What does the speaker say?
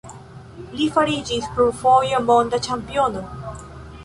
Li fariĝis plurfoje monda ĉampiono.